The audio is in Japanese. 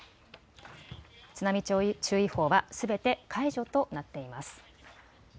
津波注意報はすべて解除となっています。